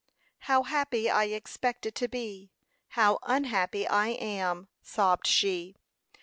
"How happy I expected to be! How unhappy I am!" sobbed she.